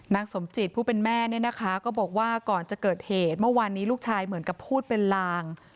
สมจิตผู้เป็นแม่เนี่ยนะคะก็บอกว่าก่อนจะเกิดเหตุเมื่อวานนี้ลูกชายเหมือนกับพูดเป็นลาง